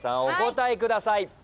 お答えください。